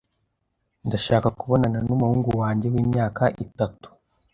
Ndashaka kubonana numuhungu wanjye wimyaka itatu.